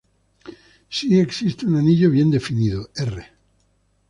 Si existe un anillo bien definido, "r".